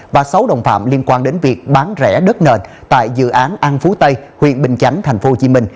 và sáu đồng phạm liên quan đến việc bán rẻ đất nền tại dự án an phú tây huyện bình chánh tp hcm